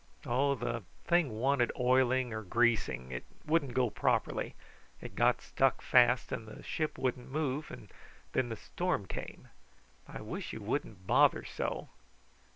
"Oh, the thing wanted oiling or greasing; it wouldn't go properly. It got stuck fast, and the ship wouldn't move; and then the storm came. I wish you wouldn't bother so."